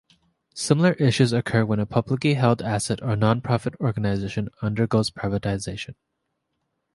Similar issues occur when a publicly held asset or non-profit organization undergoes privatization.